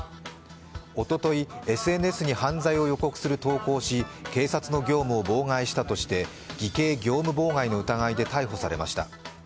おとといＳＮＳに犯罪を予告する投稿をし警察の業務を妨害したとして偽計業務妨害の疑いで逮捕されました。